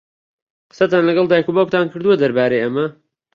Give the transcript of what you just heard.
قسەتان لەگەڵ دایک و باوکتان کردووە دەربارەی ئەمە؟